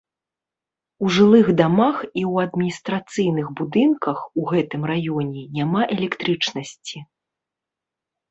У жылых дамах і ў адміністрацыйных будынках у гэтым раёне няма электрычнасці.